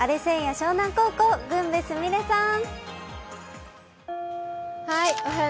湘南高校、郡部すみれさん。